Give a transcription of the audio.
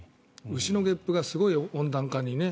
牛のげっぷがすごい温暖化にね。